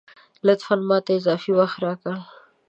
لطفاً ! ماته اضافي وخت راکه